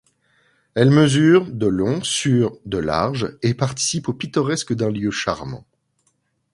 Elle mesure de long sur de large et participe au pittoresque d'un lieu charmant.